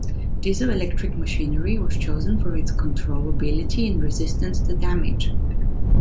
Diesel electric machinery was chosen for its controllability and resistance to damage.